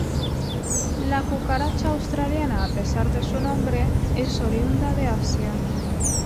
La cucaracha australiana a pesar de su nombre, es oriunda de Asia.